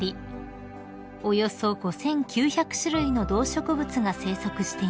およそ５，９００種類の動植物が生息しています］